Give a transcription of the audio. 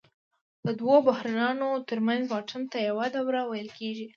د دوو بحرانونو ترمنځ واټن ته یوه دوره ویل کېږي